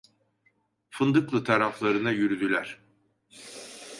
Fındıklı taraflarına yürüdüler.